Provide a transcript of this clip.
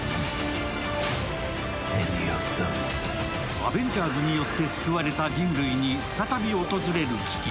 アベンジャーズによって救われた人類に再び訪れる危機。